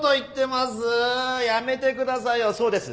やめてくださいよそうです